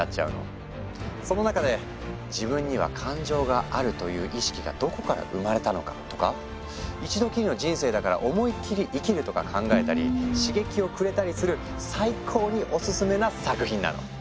その中で「自分には感情があるという意識がどこから生まれたのか？」とか「一度きりの人生だから思いっきり生きる」とか最高にお薦めな作品なの！